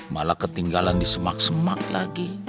malah ketinggalan di semak semak lagi